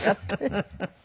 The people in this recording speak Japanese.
フフフフ！